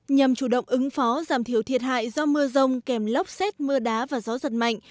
nhằm chủ động ứng phó giảm thiểu thiệt hại do mưa rông kèm lốc xét mưa đá và gió giật mạnh